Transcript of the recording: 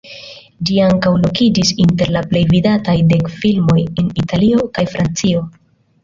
Ĝi ankaŭ lokiĝis inter la plej vidataj dek filmoj en Italio kaj Francio.